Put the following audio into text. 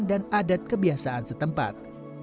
dan adat kebiasaan setempat